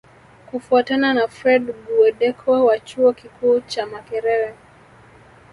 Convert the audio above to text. Kufuatana na Fred Guweddeko wa Chuo Kikuu cha Makerere